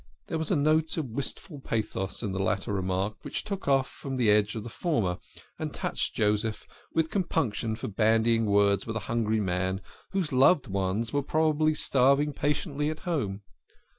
There was a note of wistful pathos in the latter remark which took off the edge of the former, and touched Joseph with compunction for bandying words with a hungry man whose loved ones were probably starving patiently at home.